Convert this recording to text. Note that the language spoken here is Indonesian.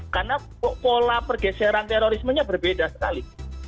karena pola pergeseran terorismenya berbeda sekali